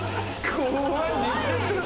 怖い。